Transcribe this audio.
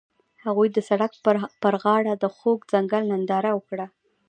هغوی د سړک پر غاړه د خوږ ځنګل ننداره وکړه.